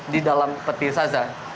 di dalam peti saza